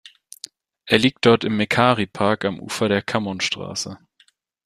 Er liegt dort im Mekari-Park am Ufer der Kammon-Straße.